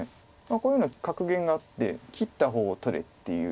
こういうの格言があって「切った方を取れ」っていう。